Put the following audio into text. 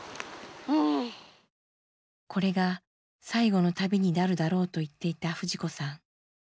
これが最後の旅になるだろうと言っていた藤子さん。